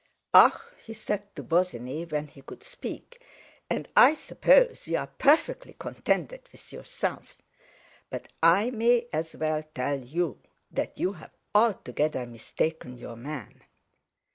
"Ah!" he had said to Bosinney when he could speak, "and I suppose you're perfectly contented with yourself. But I may as well tell you that you've altogether mistaken your man!"